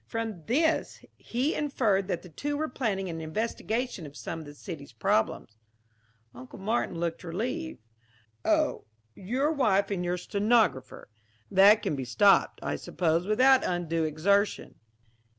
From this he inferred that the two were planning an investigation of some of the city's problems." Uncle Martin looked relieved. "Oh, your wife and your stenographer. That can be stopped, I suppose, without undue exertion."